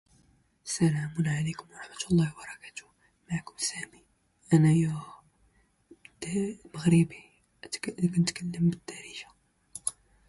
And few of My servants are grateful.